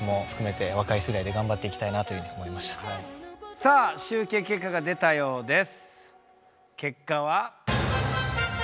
さあ集計結果が出たようです。